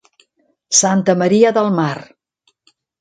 Santa Maria del Mar.